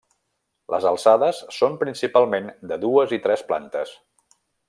Les alçades són principalment de dues i tres plantes.